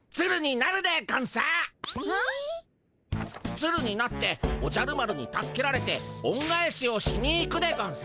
ツルになっておじゃる丸に助けられておんがえしをしに行くでゴンス。